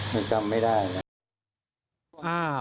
มันจำไม่ได้นะ